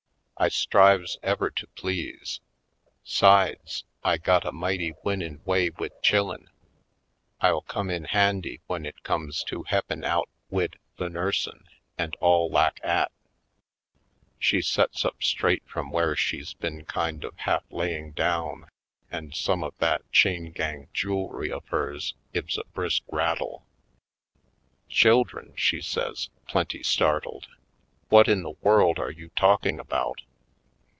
I strives ever to please. 'Sides, I got a mighty winnin' way wid chillen. I'll come in handy w'en it comes to he'pin' out wid the nursin' an' all lak 'at." She sets up straight from where she's been kind of half laying down and some of that chain gang jewelry of hers gives a brisk rattle. "Children!" she says, plenty startled. "What in the world are you talking about?"